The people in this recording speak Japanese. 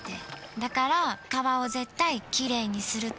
だから川を絶対きれいにするって。